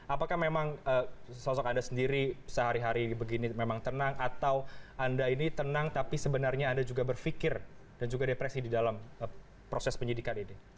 apakah memang sosok anda sendiri sehari hari begini memang tenang atau anda ini tenang tapi sebenarnya anda juga berpikir dan juga depresi di dalam proses penyidikan ini